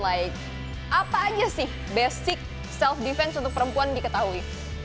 apa aja sih basic self defense untuk perempuan diketahui